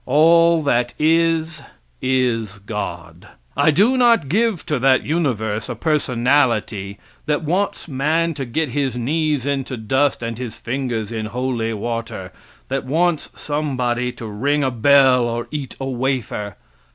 All that is, is God. I do not give to that universe a personality that wants man to get his knees into dust and his fingers in holy water; that wants some body to ring a bell or eat a wafer.